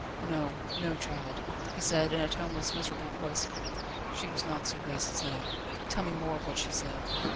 "No, no, child," he said in a toneless, miserable voice; "she was not so base as that. Tell me more of what she said."